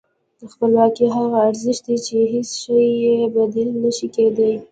خپلواکي هغه ارزښت دی چې هېڅ شی یې بدیل نه شي کېدای.